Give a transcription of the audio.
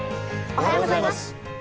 おはようございます。